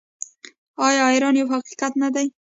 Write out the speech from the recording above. آیا ایران یو حقیقت نه دی؟